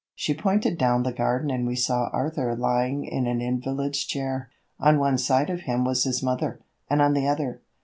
She pointed down the garden and we saw Arthur lying in an invalid's chair. On one side of him was his mother, and on the other